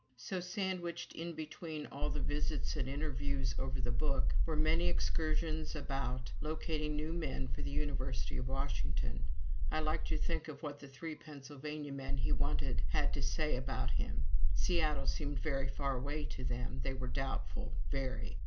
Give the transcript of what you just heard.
So, sandwiched in between all the visits and interviews over the Book, were many excursions about locating new men for the University of Washington. I like to think of what the three Pennsylvania men he wanted had to say about him. Seattle seemed very far away to them they were doubtful, very.